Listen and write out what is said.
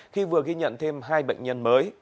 khi vừa ghi nhận thêm hai bệnh nhân mới